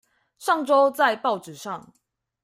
上週在報紙上